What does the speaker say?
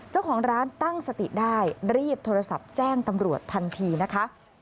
เจ้าของร้านตั้งสติได้รีบโทรศัพท์แจ้งตำรวจทันทีนะคะ